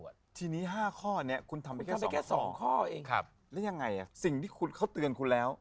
ว่าอย่างไงอ่ะสิ่งที่เค้าเตือนคุณแล้ว